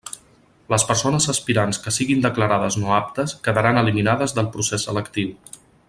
Les persones aspirants que siguin declarades no aptes quedaran eliminades del procés selectiu.